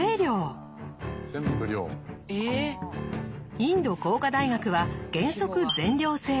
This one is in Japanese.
インド工科大学は原則全寮制。